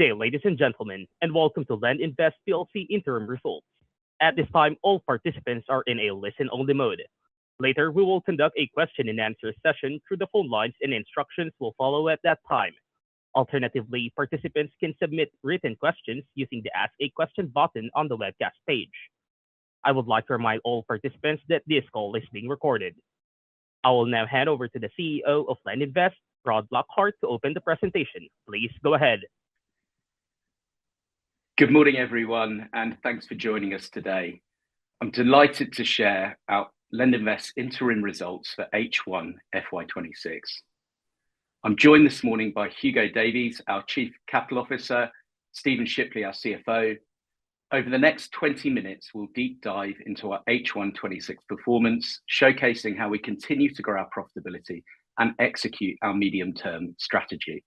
Good day, ladies and gentlemen, and welcome to LendInvest PLC Interim Results. At this time, all participants are in a listen-only mode. Later, we will conduct a question-and-answer session through the phone lines, and instructions will follow at that time. Alternatively, participants can submit written questions using the Ask a Question button on the webcast page. I would like to remind all participants that this call is being recorded. I will now hand over to the CEO of LendInvest, Rod Lockhart, to open the presentation. Please go ahead. Good morning, everyone, and thanks for joining us today. I'm delighted to share our LendInvest Interim Results for H1 FY26. I'm joined this morning by Hugo Davies, our Chief Capital Officer, Stephen Shipley, our CFO. Over the next 20 minutes, we'll deep dive into our H1 26 performance, showcasing how we continue to grow our profitability and execute our medium-term strategy.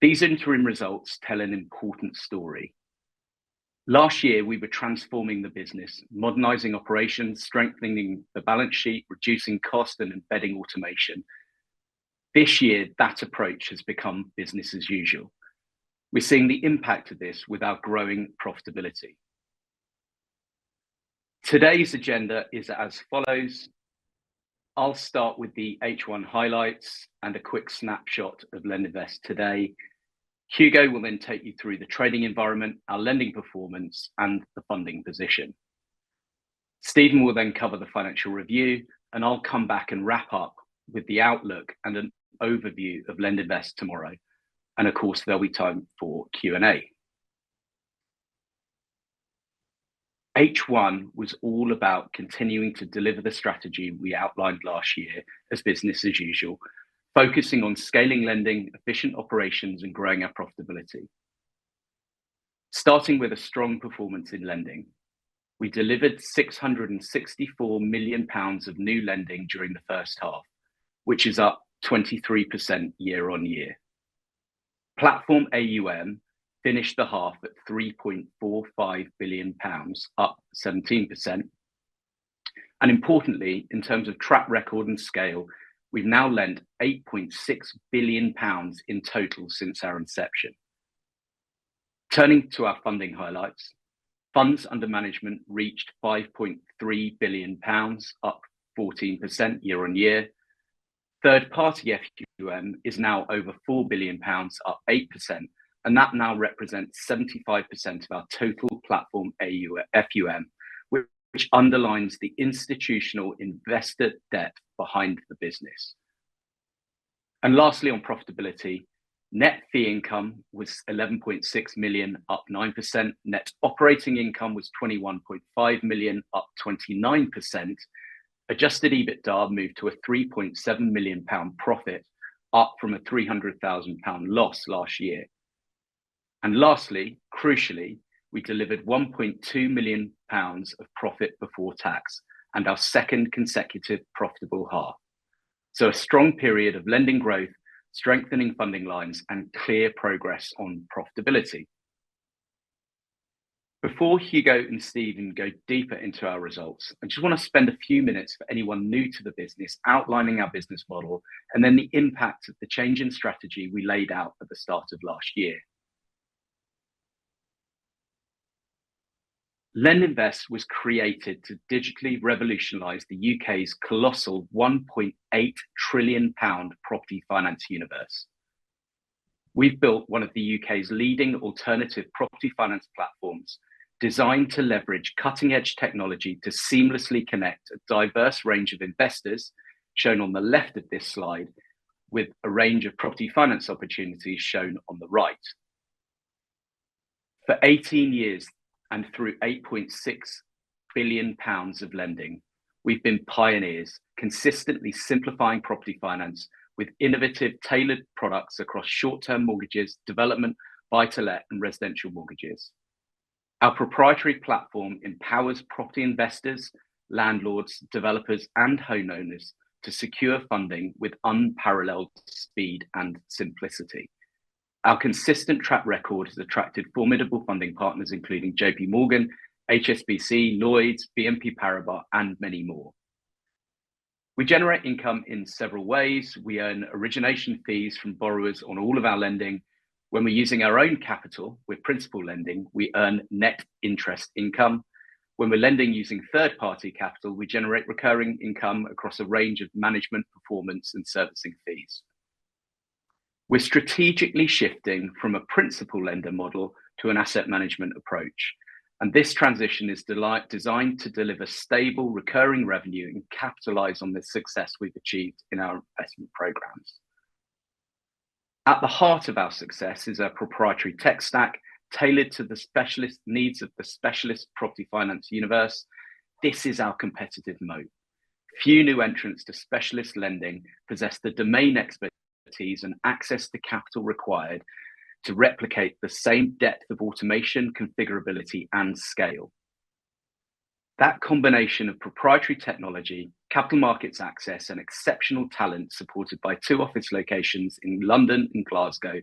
These interim results tell an important story. Last year, we were transforming the business, modernizing operations, strengthening the balance sheet, reducing cost, and embedding automation. This year, that approach has become business as usual. We're seeing the impact of this with our growing profitability. Today's agenda is as follows. I'll start with the H1 highlights and a quick snapshot of LendInvest today. Hugo will then take you through the trading environment, our lending performance, and the funding position. Stephen will then cover the financial review, and I'll come back and wrap up with the outlook and an overview of LendInvest tomorrow. Of course, there'll be time for Q&A. H1 was all about continuing to deliver the strategy we outlined last year as business as usual, focusing on scaling lending, efficient operations, and growing our profitability. Starting with a strong performance in lending, we delivered 664 million pounds of new lending during the first half, which is up 23% year on year. Platform AUM finished the half at 3.45 billion pounds, up 17%. Importantly, in terms of track record and scale, we've now lent 8.6 billion pounds in total since our inception. Turning to our funding highlights, funds under management reached 5.3 billion pounds, up 14% year on year. Third-party FUM is now over 4 billion pounds, up 8%, and that now represents 75% of our total platform FUM, which underlines the institutional investor debt behind the business. And lastly, on profitability, net fee income was 11.6 million, up 9%. Net operating income was 21.5 million, up 29%. Adjusted EBITDA moved to a 3.7 million pound profit, up from a 300,000 pound loss last year. And lastly, crucially, we delivered 1.2 million pounds of profit before tax, and our second consecutive profitable half. So, a strong period of lending growth, strengthening funding lines, and clear progress on profitability. Before Hugo and Stephen go deeper into our results, I just want to spend a few minutes for anyone new to the business outlining our business model and then the impact of the change in strategy we laid out at the start of last year. LendInvest was created to digitally revolutionize the U.K.'s colossal 1.8 trillion pound property finance universe. We've built one of the U.K.'s leading alternative property finance platforms designed to leverage cutting-edge technology to seamlessly connect a diverse range of investors, shown on the left of this slide, with a range of property finance opportunities shown on the right. For 18 years and through 8.6 billion pounds of lending, we've been pioneers consistently simplifying property finance with innovative tailored products across short-term mortgages, development, Buy to Let, and residential mortgages. Our proprietary platform empowers property investors, landlords, developers, and homeowners to secure funding with unparalleled speed and simplicity. Our consistent track record has attracted formidable funding partners, including JPMorgan, HSBC, Lloyds, BNP Paribas, and many more. We generate income in several ways. We earn origination fees from borrowers on all of our lending. When we're using our own capital with principal lending, we earn net interest income. When we're lending using third-party capital, we generate recurring income across a range of management, performance, and servicing fees. We're strategically shifting from a principal lender model to an asset management approach, and this transition is designed to deliver stable recurring revenue and capitalize on the success we've achieved in our investment programs. At the heart of our success is our proprietary tech stack tailored to the specialist needs of the specialist property finance universe. This is our competitive moat. Few new entrants to specialist lending possess the domain expertise and access to capital required to replicate the same depth of automation, configurability, and scale. That combination of proprietary technology, capital markets access, and exceptional talent supported by two office locations in London and Glasgow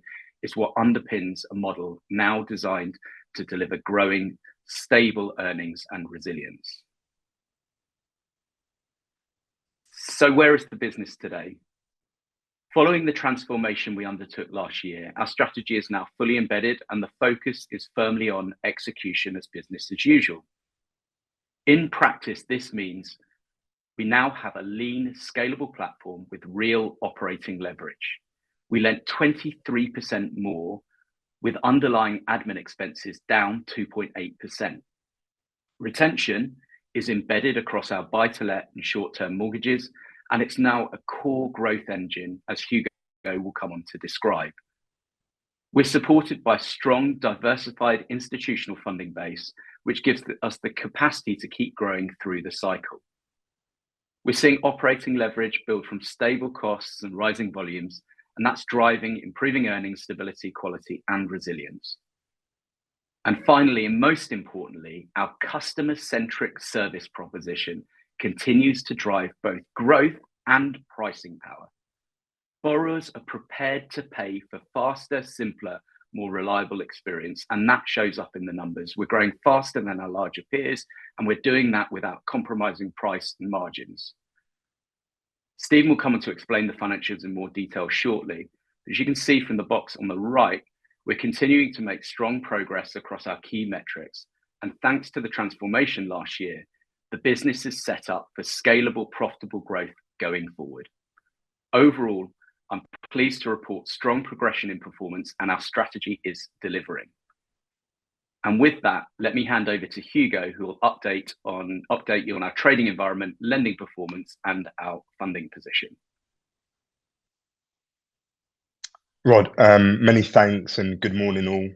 is what underpins a model now designed to deliver growing, stable earnings and resilience. So, where is the business today? Following the transformation we undertook last year, our strategy is now fully embedded, and the focus is firmly on execution as business as usual. In practice, this means we now have a lean, scalable platform with real operating leverage. We lent 23% more, with underlying admin expenses down 2.8%. Retention is embedded across our Buy to Let and short-term mortgages, and it's now a core growth engine, as Hugo will come on to describe. We're supported by a strong, diversified institutional funding base, which gives us the capacity to keep growing through the cycle. We're seeing operating leverage build from stable costs and rising volumes, and that's driving improving earnings, stability, quality, and resilience. And finally, and most importantly, our customer-centric service proposition continues to drive both growth and pricing power. Borrowers are prepared to pay for faster, simpler, more reliable experience, and that shows up in the numbers. We're growing faster than our larger peers, and we're doing that without compromising price and margins. Stephen will come on to explain the financials in more detail shortly. As you can see from the box on the right, we're continuing to make strong progress across our key metrics, and thanks to the transformation last year, the business is set up for scalable, profitable growth going forward. Overall, I'm pleased to report strong progression in performance, and our strategy is delivering. With that, let me hand over to Hugo, who will update you on our trading environment, lending performance, and our funding position. Rod, many thanks and good morning all.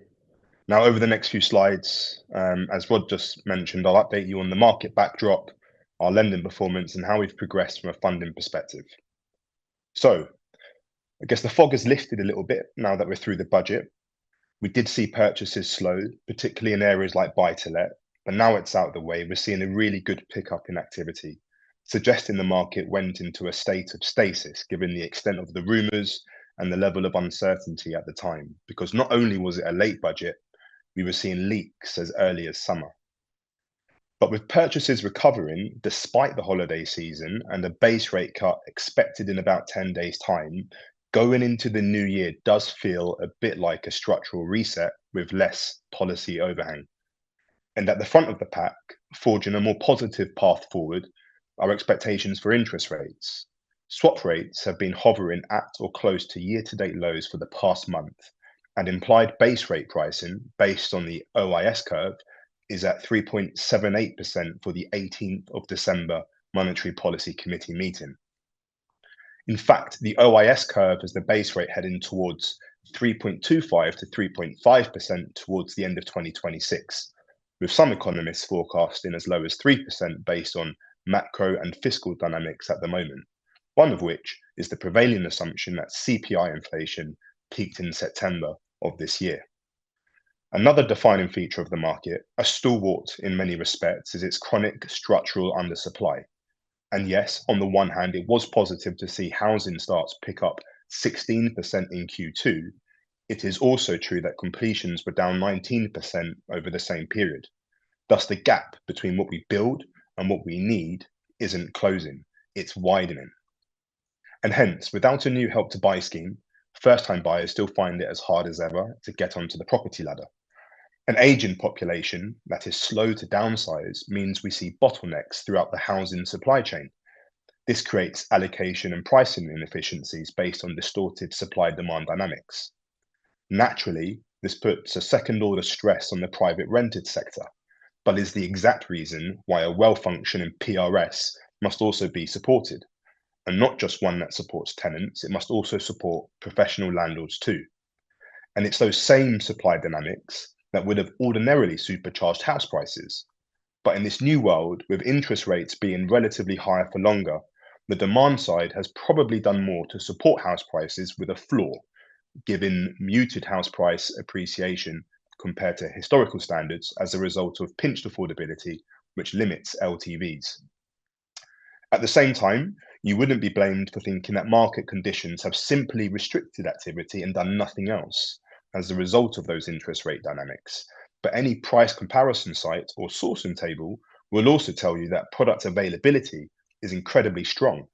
Now, over the next few slides, as Rod just mentioned, I'll update you on the market backdrop, our lending performance, and how we've progressed from a funding perspective. So, I guess the fog has lifted a little bit now that we're through the budget. We did see purchases slow, particularly in areas like Buy to Let, but now it's out of the way. We're seeing a really good pickup in activity, suggesting the market went into a state of stasis given the extent of the rumors and the level of uncertainty at the time, because not only was it a late budget, we were seeing leaks as early as summer. With purchases recovering despite the holiday season and a base rate cut expected in about 10 days' time, going into the new year does feel a bit like a structural reset with less policy overhang. At the front of the pack, forging a more positive path forward, are expectations for interest rates. Swap rates have been hovering at or close to year-to-date lows for the past month, and implied base rate pricing based on the OIS curve is at 3.78% for the 18th of December Monetary Policy Committee meeting. In fact, the OIS curve is the base rate heading towards 3.25%-3.5% towards the end of 2026, with some economists forecasting as low as 3% based on macro and fiscal dynamics at the moment, one of which is the prevailing assumption that CPI inflation peaked in September of this year. Another defining feature of the market, a stalwart in many respects, is its chronic structural undersupply, and yes, on the one hand, it was positive to see housing starts pick up 16% in Q2. It is also true that completions were down 19% over the same period. Thus, the gap between what we build and what we need isn't closing. It's widening, and hence, without a new Help to Buy scheme, first-time buyers still find it as hard as ever to get onto the property ladder. An aging population that is slow to downsize means we see bottlenecks throughout the housing supply chain. This creates allocation and pricing inefficiencies based on distorted supply-demand dynamics. Naturally, this puts a second-order stress on the private rented sector, but is the exact reason why a well-functioning PRS must also be supported, and not just one that supports tenants. It must also support professional landlords too. It's those same supply dynamics that would have ordinarily supercharged house prices. In this new world, with interest rates being relatively higher for longer, the demand side has probably done more to support house prices with a floor, given muted house price appreciation compared to historical standards as a result of pinched affordability, which limits LTVs. At the same time, you wouldn't be blamed for thinking that market conditions have simply restricted activity and done nothing else as a result of those interest rate dynamics. Any price comparison site or sourcing table will also tell you that product availability is incredibly strong.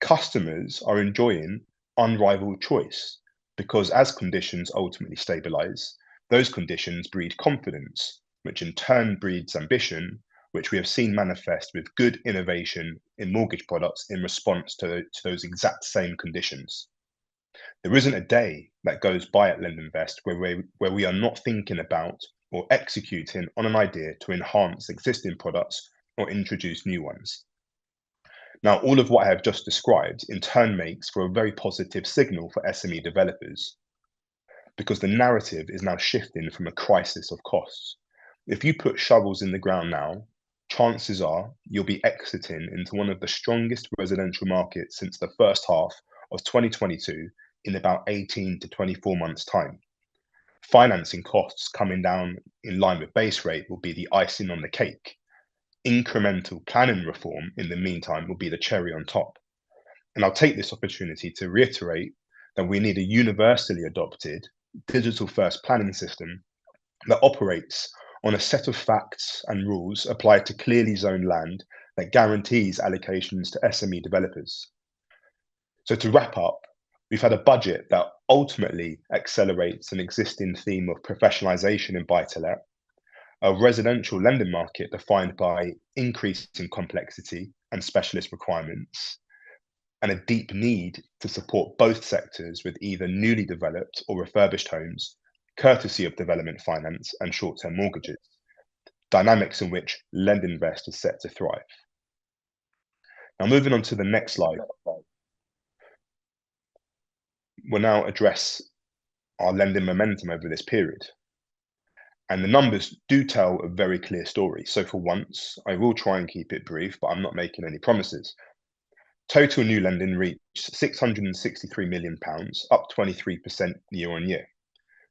Customers are enjoying unrivaled choice because, as conditions ultimately stabilize, those conditions breed confidence, which in turn breeds ambition, which we have seen manifest with good innovation in mortgage products in response to those exact same conditions. There isn't a day that goes by at LendInvest where we are not thinking about or executing on an idea to enhance existing products or introduce new ones. Now, all of what I have just described in turn makes for a very positive signal for SME developers because the narrative is now shifting from a crisis of costs. If you put shovels in the ground now, chances are you'll be exiting into one of the strongest residential markets since the first half of 2022 in about 18 to 24 months' time. Financing costs coming down in line with base rate will be the icing on the cake. Incremental planning reform in the meantime will be the cherry on top. I'll take this opportunity to reiterate that we need a universally adopted digital-first planning system that operates on a set of facts and rules applied to clearly zoned land that guarantees allocations to SME developers. So, to wrap up, we've had a budget that ultimately accelerates an existing theme of professionalization in Buy to Let, a residential lending market defined by increasing complexity and specialist requirements, and a deep need to support both sectors with either newly developed or refurbished homes, courtesy of development finance and short-term mortgages, dynamics in which LendInvest is set to thrive. Now, moving on to the next slide, we'll now address our lending momentum over this period. And the numbers do tell a very clear story. So, for once, I will try and keep it brief, but I'm not making any promises. Total new lending reached 663 million pounds, up 23% year on year,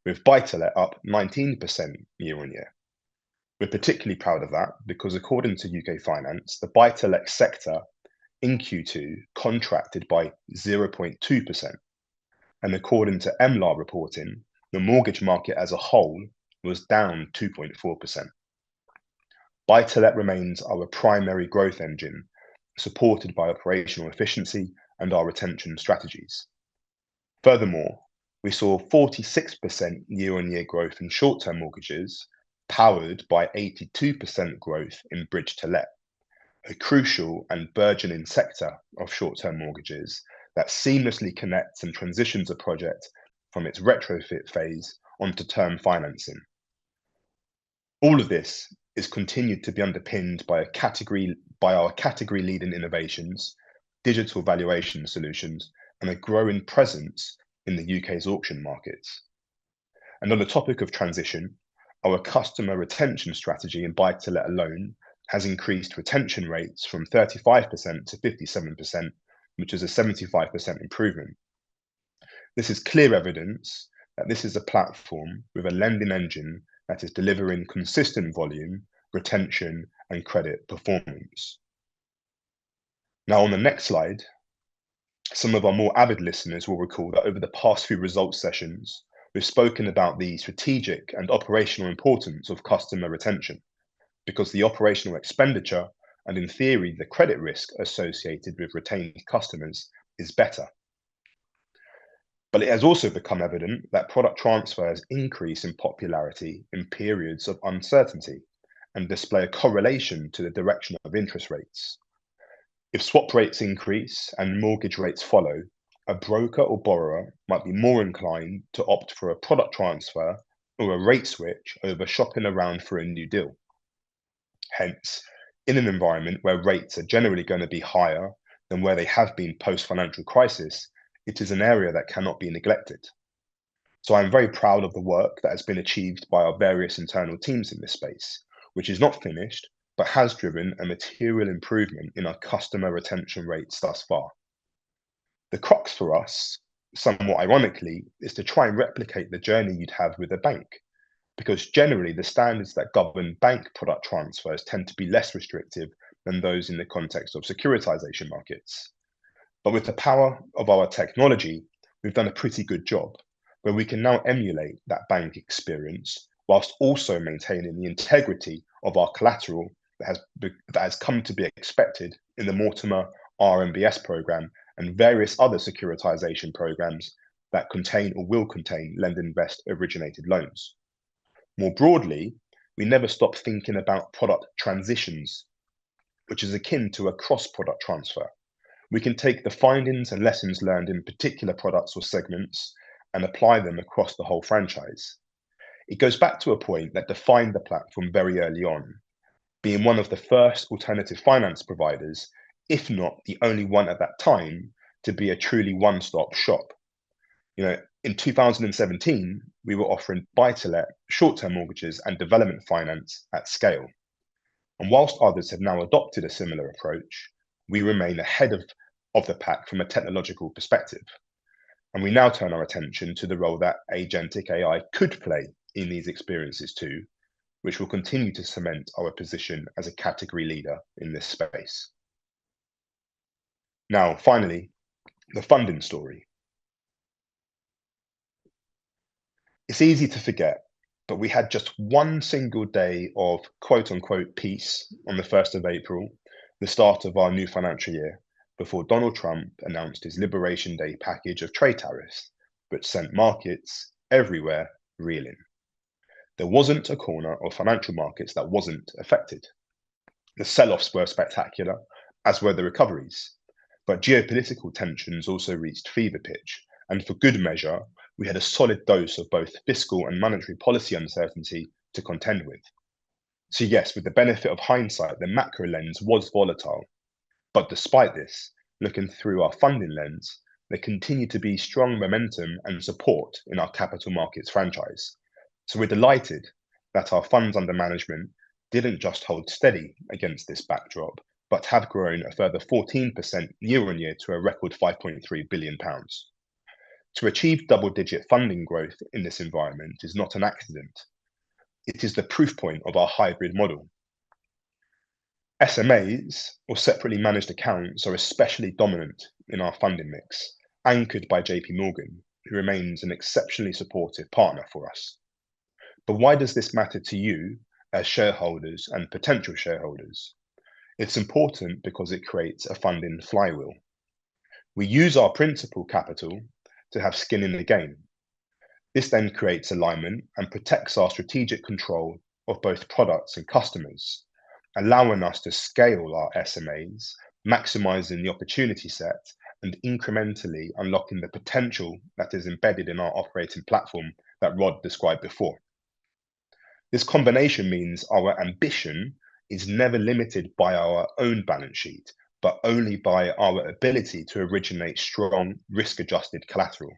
with Buy to Let up 19% year on year. We're particularly proud of that because, according to U.K. Finance, the Buy to Let sector in Q2 contracted by 0.2%, and according to MLAR reporting, the mortgage market as a whole was down 2.4%. Buy to Let remains our primary growth engine, supported by operational efficiency and our retention strategies. Furthermore, we saw 46% year-on-year growth in short-term mortgages, powered by 82% growth in bridge-to-let, a crucial and burgeoning sector of short-term mortgages that seamlessly connects and transitions a project from its retrofit phase onto term financing. All of this is continued to be underpinned by our category-leading innovations, digital valuation solutions, and a growing presence in the U.K.'s auction markets. On the topic of transition, our customer retention strategy in Buy to Let alone has increased retention rates from 35%-57%, which is a 75% improvement. This is clear evidence that this is a platform with a lending engine that is delivering consistent volume, retention, and credit performance. Now, on the next slide, some of our more avid listeners will recall that over the past few results sessions, we've spoken about the strategic and operational importance of customer retention because the operational expenditure and, in theory, the credit risk associated with retained customers is better. But it has also become evident that product transfers increase in popularity in periods of uncertainty and display a correlation to the direction of interest rates. If swap rates increase and mortgage rates follow, a broker or borrower might be more inclined to opt for a product transfer or a rate switch over shopping around for a new deal. Hence, in an environment where rates are generally going to be higher than where they have been post-financial crisis, it is an area that cannot be neglected. So, I'm very proud of the work that has been achieved by our various internal teams in this space, which is not finished but has driven a material improvement in our customer retention rates thus far. The crux for us, somewhat ironically, is to try and replicate the journey you'd have with a bank because, generally, the standards that govern bank product transfers tend to be less restrictive than those in the context of securitization markets. But with the power of our technology, we've done a pretty good job where we can now emulate that bank experience whilst also maintaining the integrity of our collateral that has come to be expected in the Mortimer RMBS program and various other securitization programs that contain or will contain LendInvest-originated loans. More broadly, we never stop thinking about product transitions, which is akin to a cross-product transfer. We can take the findings and lessons learned in particular products or segments and apply them across the whole franchise. It goes back to a point that defined the platform very early on, being one of the first alternative finance providers, if not the only one at that time, to be a truly one-stop shop. You know, in 2017, we were offering Buy to Let, short-term mortgages, and development finance at scale. And whilst others have now adopted a similar approach, we remain ahead of the pack from a technological perspective. And we now turn our attention to the role that agentic AI could play in these experiences too, which will continue to cement our position as a category leader in this space. Now, finally, the funding story. It's easy to forget, but we had just one single day of quote-unquote peace on the 1st of April, the start of our new financial year, before Donald Trump announced his Liberation Day package of trade tariffs that sent markets everywhere reeling. There wasn't a corner of financial markets that wasn't affected. The selloffs were spectacular, as were the recoveries, but geopolitical tensions also reached fever pitch. And for good measure, we had a solid dose of both fiscal and monetary policy uncertainty to contend with. Yes, with the benefit of hindsight, the macro lens was volatile. But despite this, looking through our funding lens, there continued to be strong momentum and support in our capital markets franchise. We're delighted that our funds under management didn't just hold steady against this backdrop, but have grown a further 14% year on year to a record 5.3 billion pounds. To achieve double-digit funding growth in this environment is not an accident. It is the proof point of our hybrid model. SMAs or separately managed accounts are especially dominant in our funding mix, anchored by JPMorgan, who remains an exceptionally supportive partner for us. But why does this matter to you as shareholders and potential shareholders? It's important because it creates a funding flywheel. We use our principal capital to have skin in the game. This then creates alignment and protects our strategic control of both products and customers, allowing us to scale our SMAs, maximizing the opportunity set and incrementally unlocking the potential that is embedded in our operating platform that Rod described before. This combination means our ambition is never limited by our own balance sheet, but only by our ability to originate strong risk-adjusted collateral.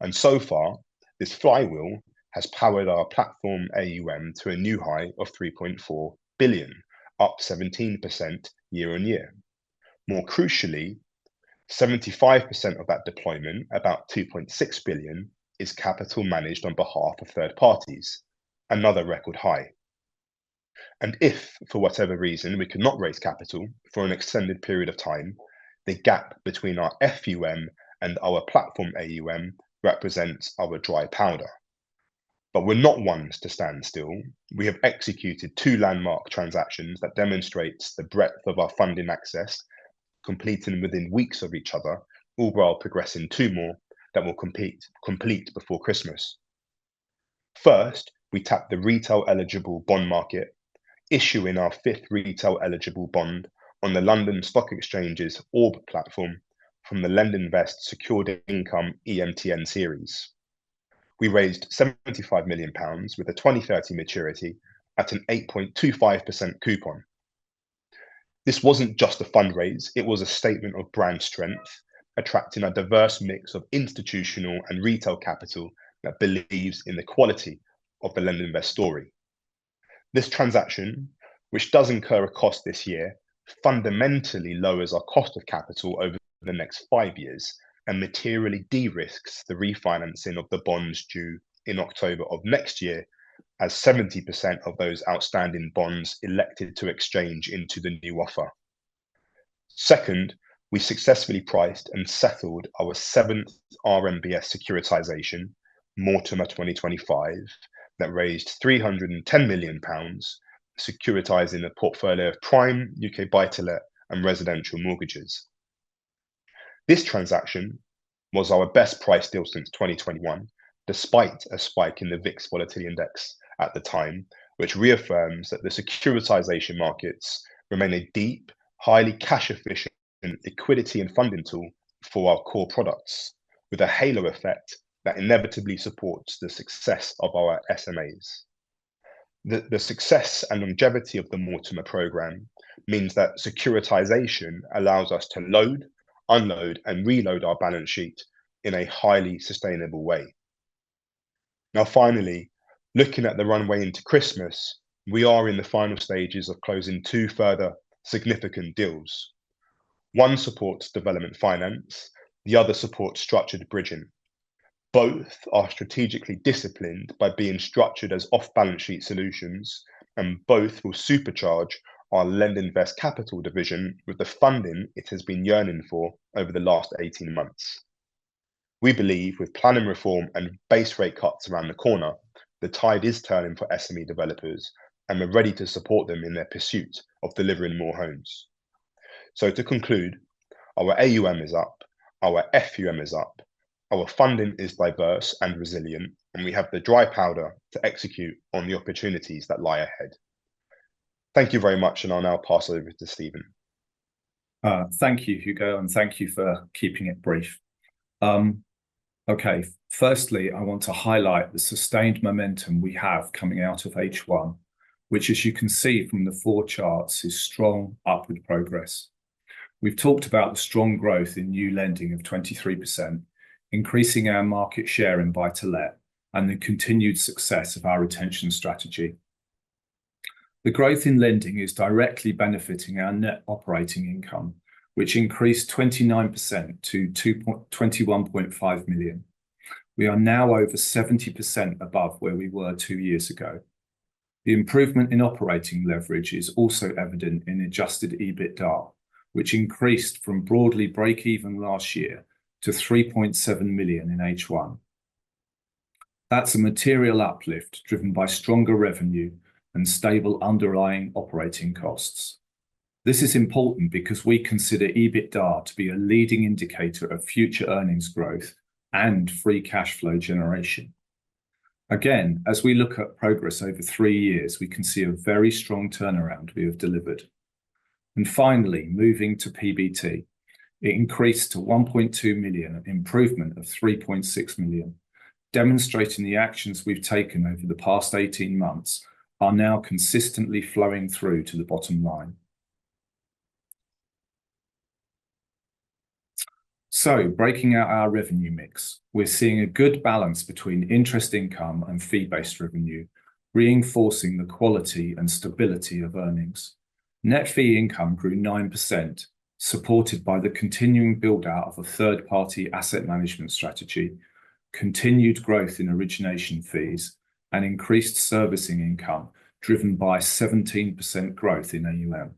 And so far, this flywheel has powered our platform AUM to a new high of 3.4 billion, up 17% year on year. More crucially, 75% of that deployment, about 2.6 billion, is capital managed on behalf of third parties, another record high. And if, for whatever reason, we could not raise capital for an extended period of time, the gap between our FUM and our platform AUM represents our dry powder. But we're not ones to stand still. We have executed two landmark transactions that demonstrate the breadth of our funding access, completing within weeks of each other, all while progressing two more that will complete before Christmas. First, we tapped the retail eligible bond market, issuing our fifth retail eligible bond on the London Stock Exchange's ORB platform from the LendInvest Secured Income EMTN series. We raised 75 million pounds with a 2030 maturity at an 8.25% coupon. This wasn't just a fundraise. It was a statement of brand strength, attracting a diverse mix of institutional and retail capital that believes in the quality of the LendInvest story. This transaction, which does incur a cost this year, fundamentally lowers our cost of capital over the next five years and materially de-risks the refinancing of the bonds due in October of next year, as 70% of those outstanding bonds elected to exchange into the new offer. Second, we successfully priced and settled our seventh RMBS securitization, Mortimer 2025, that raised 310 million pounds, securitizing a portfolio of prime U.K. Buy to Let and residential mortgages. This transaction was our best price deal since 2021, despite a spike in the VIX volatility index at the time, which reaffirms that the securitization markets remain a deep, highly cash-efficient liquidity and funding tool for our core products, with a halo effect that inevitably supports the success of our SMAs. The success and longevity of the Mortimer program means that securitization allows us to load, unload, and reload our balance sheet in a highly sustainable way. Now, finally, looking at the runway into Christmas, we are in the final stages of closing two further significant deals. One supports development finance. The other supports structured bridging. Both are strategically disciplined by being structured as off-balance sheet solutions, and both will supercharge our LendInvest Capital division with the funding it has been yearning for over the last 18 months. We believe with planning reform and base rate cuts around the corner, the tide is turning for SME developers, and we're ready to support them in their pursuit of delivering more homes. So, to conclude, our AUM is up, our FUM is up, our funding is diverse and resilient, and we have the dry powder to execute on the opportunities that lie ahead. Thank you very much, and I'll now pass over to Stephen. Thank you, Hugo, and thank you for keeping it brief. Okay, firstly, I want to highlight the sustained momentum we have coming out of H1, which, as you can see from the four charts, is strong upward progress. We've talked about the strong growth in new lending of 23%, increasing our market share in Buy to Let, and the continued success of our retention strategy. The growth in lending is directly benefiting our net operating income, which increased 29% to 21.5 million. We are now over 70% above where we were two years ago. The improvement in operating leverage is also evident in adjusted EBITDA, which increased from broadly break-even last year to 3.7 million in H1. That's a material uplift driven by stronger revenue and stable underlying operating costs. This is important because we consider EBITDA to be a leading indicator of future earnings growth and free cash flow generation. Again, as we look at progress over three years, we can see a very strong turnaround we have delivered. Finally, moving to PBT, it increased to 1.2 million, an improvement of 3.6 million, demonstrating the actions we've taken over the past 18 months are now consistently flowing through to the bottom line. So, breaking out our revenue mix, we're seeing a good balance between interest income and fee-based revenue, reinforcing the quality and stability of earnings. Net fee income grew 9%, supported by the continuing build-out of a third-party asset management strategy, continued growth in origination fees, and increased servicing income driven by 17% growth in AUM.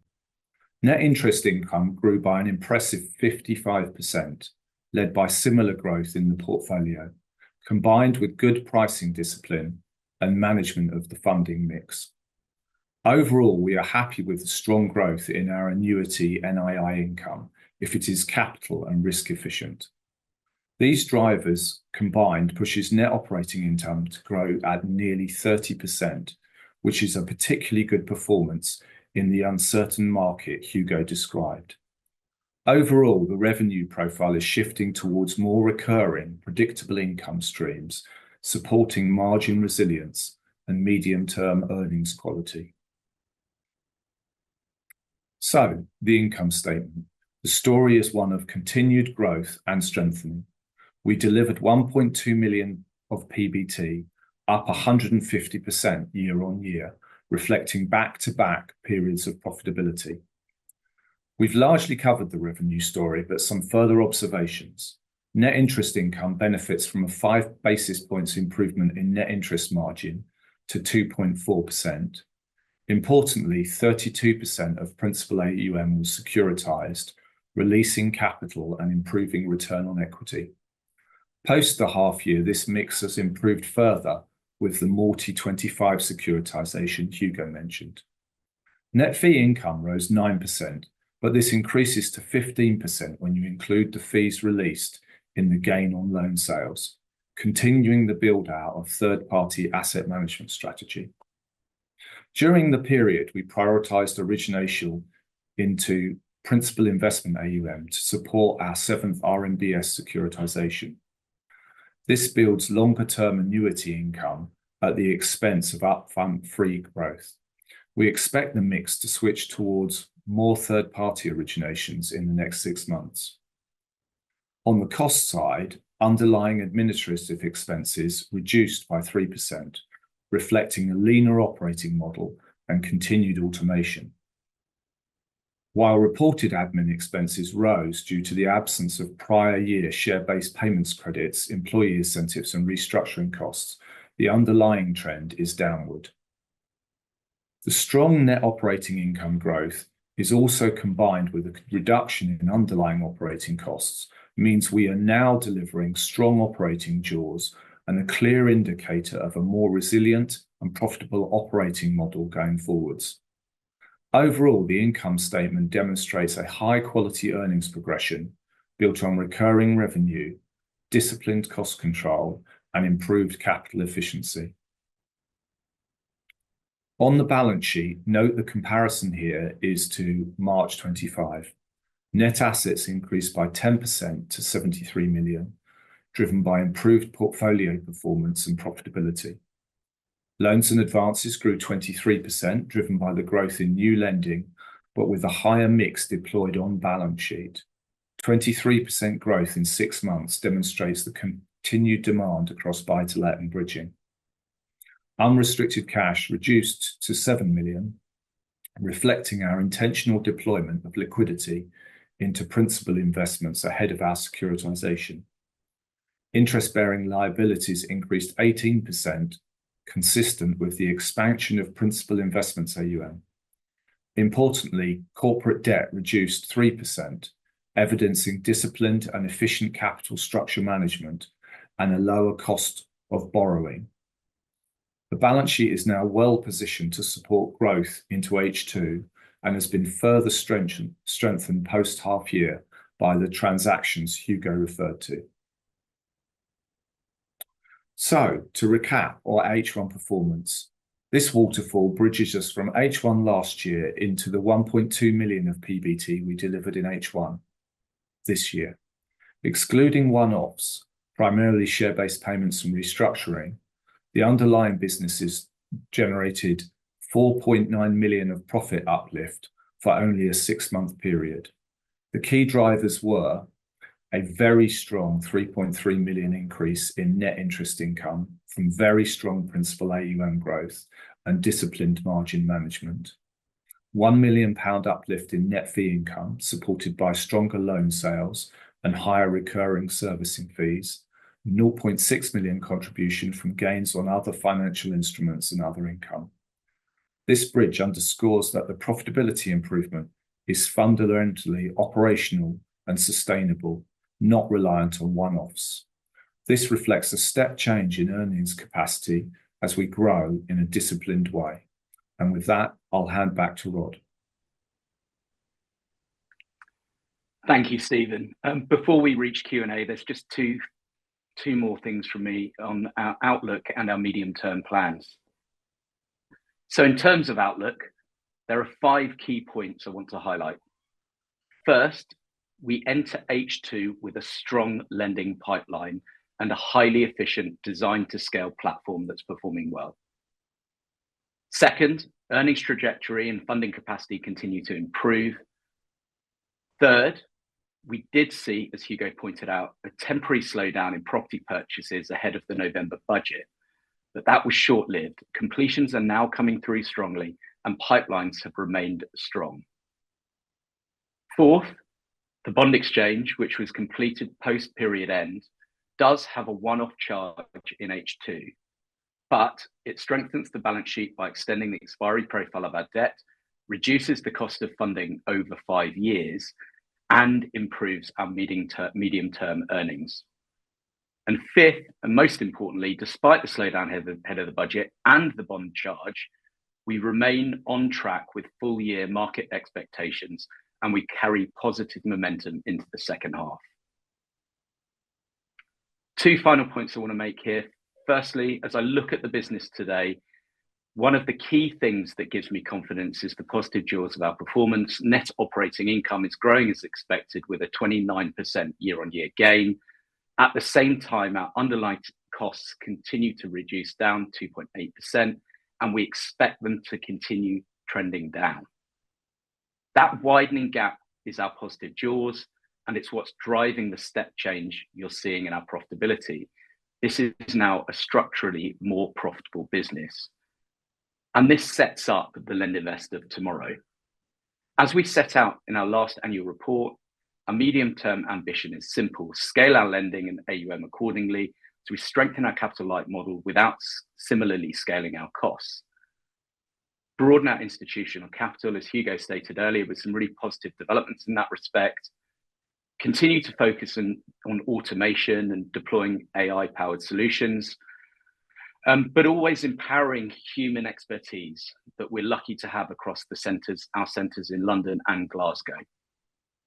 Net interest income grew by an impressive 55%, led by similar growth in the portfolio, combined with good pricing discipline and management of the funding mix. Overall, we are happy with the strong growth in our annuity NII income if it is capital and risk-efficient. These drivers combined pushes net operating income to grow at nearly 30%, which is a particularly good performance in the uncertain market Hugo described. Overall, the revenue profile is shifting towards more recurring, predictable income streams, supporting margin resilience and medium-term earnings quality. The income statement, the story is one of continued growth and strengthening. We delivered 1.2 million of PBT, up 150% year on year, reflecting back-to-back periods of profitability. We've largely covered the revenue story, but some further observations. Net interest income benefits from a five basis points improvement in net interest margin to 2.4%. Importantly, 32% of principal AUM was securitized, releasing capital and improving return on equity. Post the half year, this mix has improved further with the Mortimer 2025 securitization Hugo mentioned. Net fee income rose 9%, but this increases to 15% when you include the fees released in the gain on loan sales, continuing the build-out of third-party asset management strategy. During the period, we prioritized origination into principal investment AUM to support our seventh RMBS securitization. This builds longer-term annuity income at the expense of upfront fee growth. We expect the mix to switch towards more third-party originations in the next six months. On the cost side, underlying administrative expenses reduced by 3%, reflecting a leaner operating model and continued automation. While reported admin expenses rose due to the absence of prior year share-based payments credits, employee incentives, and restructuring costs, the underlying trend is downward. The strong net operating income growth is also combined with a reduction in underlying operating costs, means we are now delivering strong operating jaws and a clear indicator of a more resilient and profitable operating model going forwards. Overall, the income statement demonstrates a high-quality earnings progression built on recurring revenue, disciplined cost control, and improved capital efficiency. On the balance sheet, note the comparison here is to March 2025. Net assets increased by 10% to 73 million, driven by improved portfolio performance and profitability. Loans and advances grew 23%, driven by the growth in new lending, but with a higher mix deployed on balance sheet. 23% growth in six months demonstrates the continued demand across Buy to Let and bridging. Unrestricted cash reduced to 7 million, reflecting our intentional deployment of liquidity into principal investments ahead of our securitization. Interest-bearing liabilities increased 18%, consistent with the expansion of principal investments AUM. Importantly, corporate debt reduced 3%, evidencing disciplined and efficient capital structure management and a lower cost of borrowing. The balance sheet is now well positioned to support growth into H2 and has been further strengthened post-half year by the transactions Hugo referred to. So, to recap our H1 performance, this waterfall bridges us from H1 last year into the 1.2 million of PBT we delivered in H1 this year. Excluding one-offs, primarily share-based payments and restructuring, the underlying businesses generated 4.9 million of profit uplift for only a six-month period. The key drivers were a very strong 3.3 million increase in net interest income from very strong principal AUM growth and disciplined margin management, 1 million pound uplift in net fee income supported by stronger loan sales and higher recurring servicing fees, 0.6 million contribution from gains on other financial instruments and other income. This bridge underscores that the profitability improvement is fundamentally operational and sustainable, not reliant on one-offs. This reflects a step change in earnings capacity as we grow in a disciplined way. And with that, I'll hand back to Rod. Thank you, Stephen. Before we reach Q&A, there's just two more things from me on our outlook and our medium-term plans. So, in terms of outlook, there are five key points I want to highlight. First, we enter H2 with a strong lending pipeline and a highly efficient design-to-scale platform that's performing well. Second, earnings trajectory and funding capacity continue to improve. Third, we did see, as Hugo pointed out, a temporary slowdown in property purchases ahead of the November budget, but that was short-lived. Completions are now coming through strongly, and pipelines have remained strong. Fourth, the bond exchange, which was completed post-period end, does have a one-off charge in H2, but it strengthens the balance sheet by extending the expiry profile of our debt, reduces the cost of funding over five years, and improves our medium-term earnings. And fifth, and most importantly, despite the slowdown ahead of the budget and the bond charge, we remain on track with full-year market expectations, and we carry positive momentum into the second half. Two final points I want to make here. Firstly, as I look at the business today, one of the key things that gives me confidence is the positive jaws of our performance. Net Operating Income is growing as expected with a 29% year-on-year gain. At the same time, our underlying costs continue to reduce down 2.8%, and we expect them to continue trending down. That widening gap is our positive jaws, and it's what's driving the step change you're seeing in our profitability. This is now a structurally more profitable business, and this sets up the LendInvest of tomorrow. As we set out in our last annual report, our medium-term ambition is simple: scale our lending and AUM accordingly as we strengthen our capital-like model without similarly scaling our costs. Broaden our institutional capital, as Hugo stated earlier, with some really positive developments in that respect. Continue to focus on automation and deploying AI-powered solutions, but always empowering human expertise that we're lucky to have across the centers, our centers in London and Glasgow.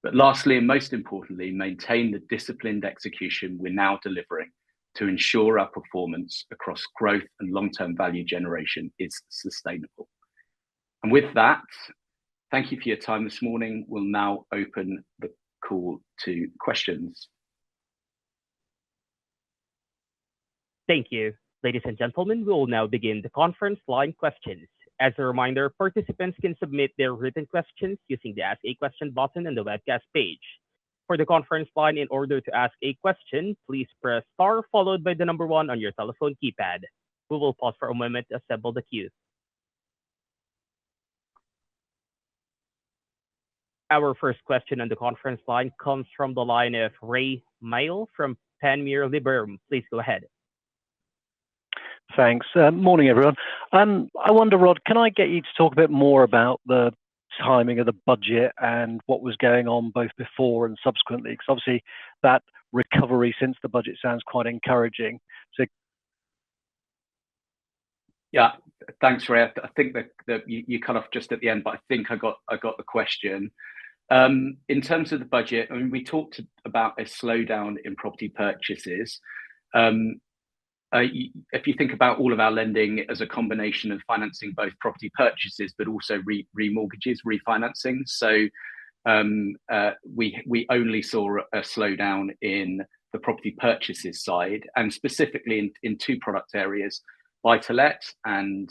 But lastly, and most importantly, maintain the disciplined execution we're now delivering to ensure our performance across growth and long-term value generation is sustainable. And with that, thank you for your time this morning. We'll now open the call to questions. Thank you, ladies and gentlemen. We'll now begin the conference line questions. As a reminder, participants can submit their written questions using the Ask a Question button on the webcast page. For the conference line, in order to ask a question, please press star followed by the number one on your telephone keypad. We will pause for a moment to assemble the queue. Our first question on the conference line comes from the line of Rae Maile from Panmure Liberum. Please go ahead. Thanks. Morning, everyone. I wonder, Rod, can I get you to talk a bit more about the timing of the budget and what was going on both before and subsequently? Because obviously, that recovery since the budget sounds quite encouraging. So, yeah, thanks, Rae. I think that you cut off just at the end, but I think I got the question. In terms of the budget, I mean, we talked about a slowdown in property purchases. If you think about all of our lending as a combination of financing both property purchases, but also remortgages, refinancing. So, we only saw a slowdown in the property purchases side, and specifically in two product areas, Buy to Let and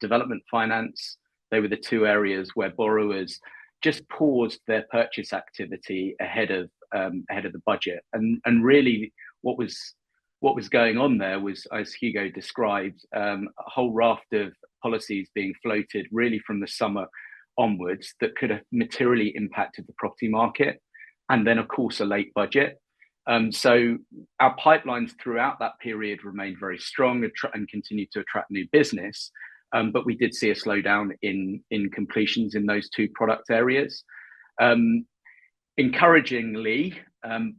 development finance. They were the two areas where borrowers just paused their purchase activity ahead of the budget. And really, what was going on there was, as Hugo described, a whole raft of policies being floated really from the summer onwards that could have materially impacted the property market, and then, of course, a late budget. Our pipelines throughout that period remained very strong and continued to attract new business, but we did see a slowdown in completions in those two product areas. Encouragingly,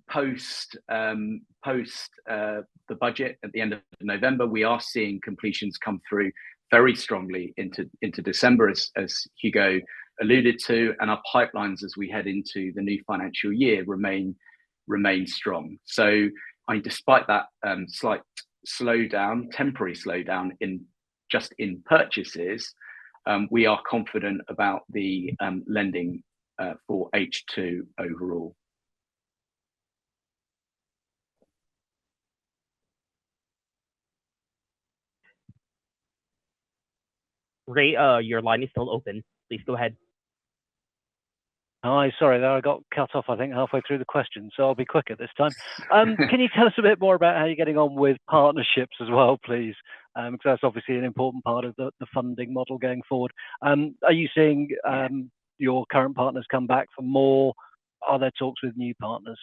post the budget at the end of November, we are seeing completions come through very strongly into December, as Hugo alluded to, and our pipelines as we head into the new financial year remain strong. Despite that slight slowdown, temporary slowdown just in purchases, we are confident about the lending for H2 overall. Rae, your line is still open. Please go ahead. Oh, sorry, I got cut off, I think, halfway through the question, so I'll be quick at this time. Can you tell us a bit more about how you're getting on with partnerships as well, please? Because that's obviously an important part of the funding model going forward. Are you seeing your current partners come back for more? Are there talks with new partners?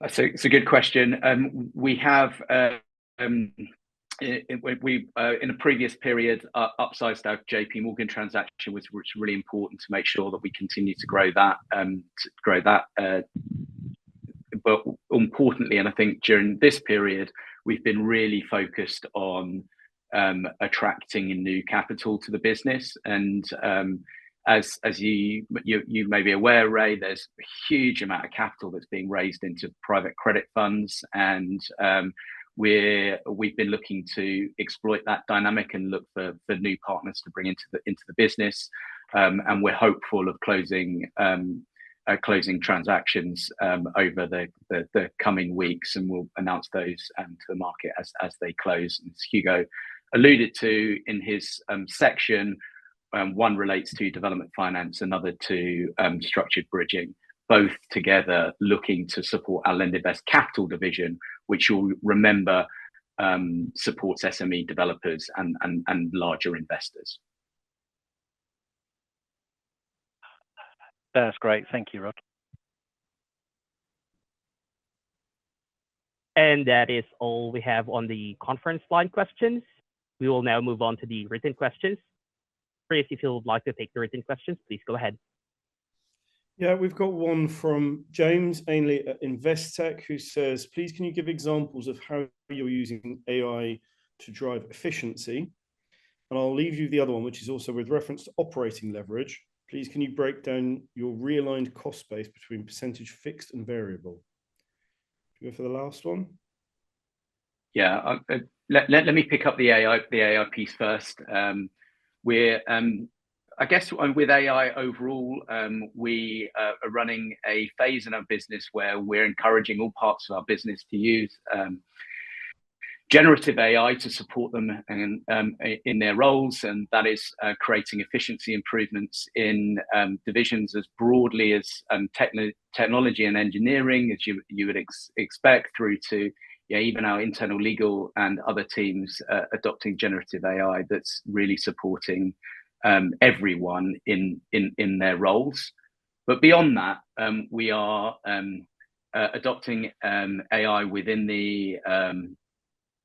That's a good question. We have, in a previous period, upsized our JPMorgan transaction, which was really important to make sure that we continue to grow that. But importantly, and I think during this period, we've been really focused on attracting new capital to the business. And as you may be aware, Rae, there's a huge amount of capital that's being raised into private credit funds, and we've been looking to exploit that dynamic and look for new partners to bring into the business. And we're hopeful of closing transactions over the coming weeks, and we'll announce those to the market as they close. As Hugo alluded to in his section, one relates to development finance, another to structured bridging, both together looking to support our LendInvest Capital division, which you'll remember supports SME developers and larger investors. That's great. Thank you, Rod. And that is all we have on the conference line questions. We will now move on to the written questions. If you feel like to take the written questions, please go ahead. Yeah, we've got one from James Ainley at Investec, who says, "Please, can you give examples of how you're using AI to drive efficiency?" And I'll leave you with the other one, which is also with reference to operating leverage. "Please, can you break down your realigned cost base between percentage fixed and variable?" Do you go for the last one? Yeah, let me pick up the AI piece first. I guess with AI overall, we are running a phase in our business where we're encouraging all parts of our business to use generative AI to support them in their roles, and that is creating efficiency improvements in divisions as broadly as technology and engineering, as you would expect, through to even our internal legal and other teams adopting generative AI that's really supporting everyone in their roles. But beyond that, we are adopting AI within the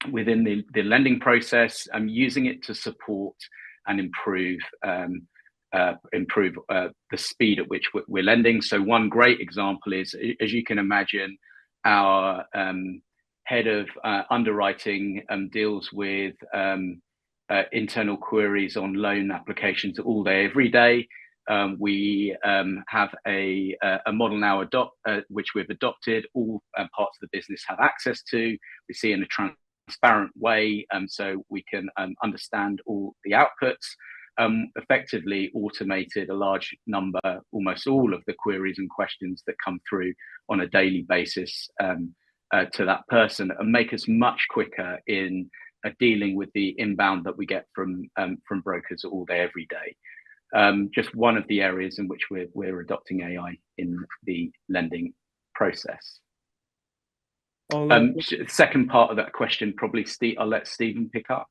lending process and using it to support and improve the speed at which we're lending. So one great example is, as you can imagine, our head of underwriting deals with internal queries on loan applications all day, every day. We have a model now which we've adopted. All parts of the business have access to. We see in a transparent way, so we can understand all the outputs, effectively automated a large number, almost all of the queries and questions that come through on a daily basis to that person and make us much quicker in dealing with the inbound that we get from brokers all day, every day. Just one of the areas in which we're adopting AI in the lending process. Second part of that question, probably I'll let Stephen pick up.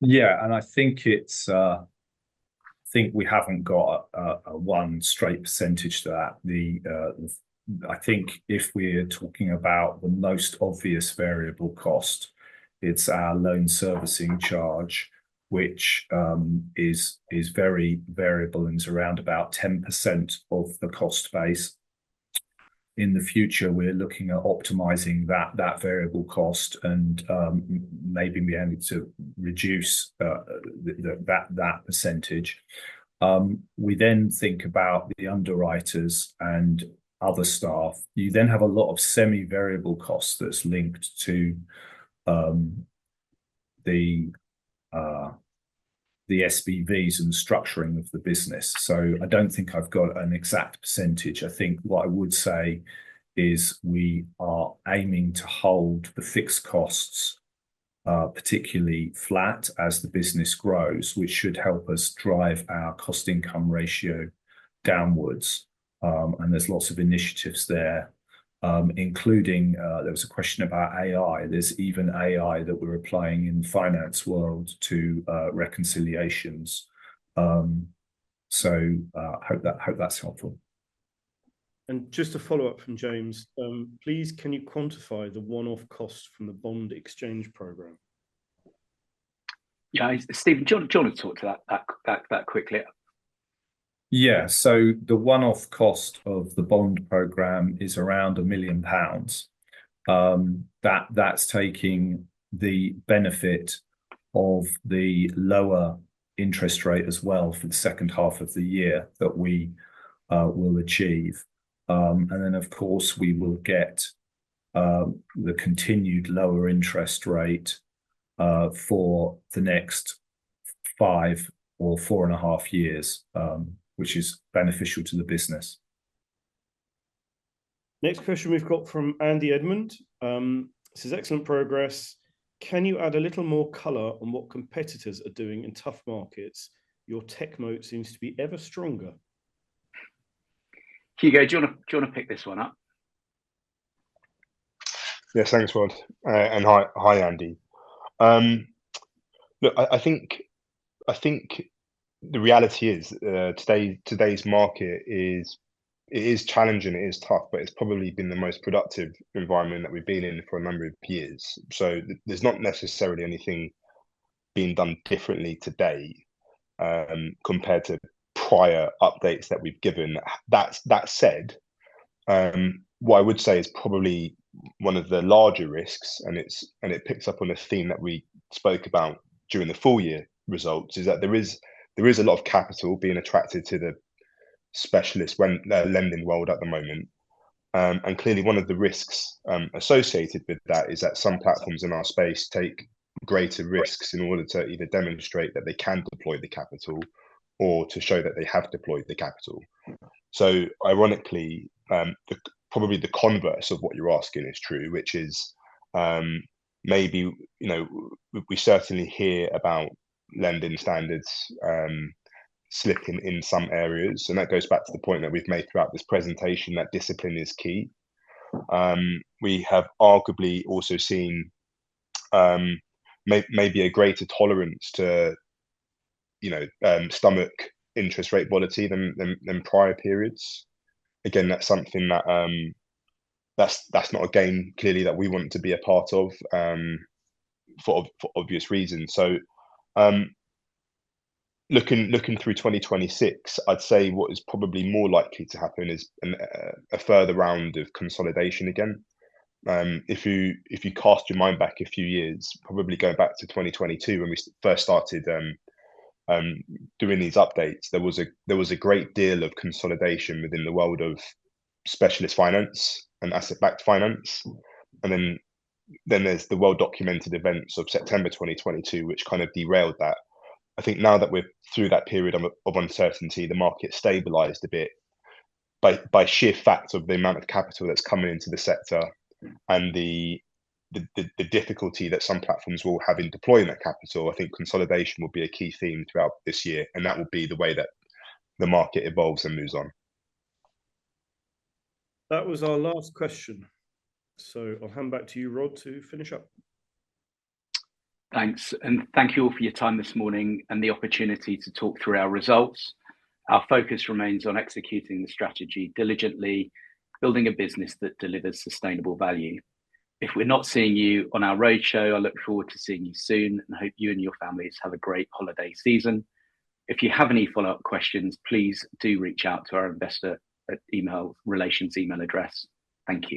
Yeah, and I think we haven't got one straight percentage to that. I think if we're talking about the most obvious variable cost, it's our loan servicing charge, which is very variable and is around about 10% of the cost base. In the future, we're looking at optimizing that variable cost and maybe being able to reduce that percentage. We then think about the underwriters and other staff. You then have a lot of semi-variable costs that's linked to the SBVs and structuring of the business. So I don't think I've got an exact percentage. I think what I would say is we are aiming to hold the fixed costs particularly flat as the business grows, which should help us drive our cost-income ratio downwards. And there's lots of initiatives there, including there was a question about AI. There's even AI that we're applying in the finance world to reconciliations. So I hope that's helpful. And just a follow-up from James. Please, can you quantify the one-off cost from the bond exchange program? Yeah, Stephen, John will talk to that quickly. Yeah, so the one-off cost of the bond program is around 1 million pounds. That's taking the benefit of the lower interest rate as well for the second half of the year that we will achieve. And then, of course, we will get the continued lower interest rate for the next five or four and a half years, which is beneficial to the business. Next question we've got from Andy Edmond. This is excellent progress. "Can you add a little more color on what competitors are doing in tough markets? Your tech moat seems to be ever stronger." Hugo, do you want to pick this one up? Yes, thanks, Rod. And hi, Andy. Look, I think the reality is today's market is challenging. It is tough, but it's probably been the most productive environment that we've been in for a number of years. So there's not necessarily anything being done differently today compared to prior updates that we've given. That said, what I would say is probably one of the larger risks, and it picks up on a theme that we spoke about during the full year results, is that there is a lot of capital being attracted to the specialist lending world at the moment. Clearly, one of the risks associated with that is that some platforms in our space take greater risks in order to either demonstrate that they can deploy the capital or to show that they have deployed the capital. Ironically, probably the converse of what you're asking is true, which is maybe we certainly hear about lending standards slipping in some areas. That goes back to the point that we've made throughout this presentation, that discipline is key. We have arguably also seen maybe a greater tolerance to stomach interest rate volatility than prior periods. Again, that's something that's not a game clearly that we want to be a part of for obvious reasons. So looking through 2026, I'd say what is probably more likely to happen is a further round of consolidation again. If you cast your mind back a few years, probably go back to 2022 when we first started doing these updates, there was a great deal of consolidation within the world of specialist finance and asset-backed finance. And then there's the well-documented events of September 2022, which kind of derailed that. I think now that we're through that period of uncertainty, the market stabilized a bit by sheer fact of the amount of capital that's coming into the sector and the difficulty that some platforms will have in deploying that capital. I think consolidation will be a key theme throughout this year, and that will be the way that the market evolves and moves on. That was our last question. So I'll hand back to you, Rod, to finish up. Thanks. And thank you all for your time this morning and the opportunity to talk through our results. Our focus remains on executing the strategy diligently, building a business that delivers sustainable value. If we're not seeing you on our roadshow, I look forward to seeing you soon and hope you and your families have a great holiday season. If you have any follow-up questions, please do reach out to our investor relations email address. Thank you.